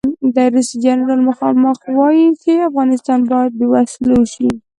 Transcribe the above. د روسیې جنرال مخامخ وایي چې افغانستان باید بې وسلو شي.